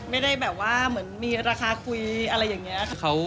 ไม่ได้แบบว่ามีราคาคุยอะไรอย่างนี้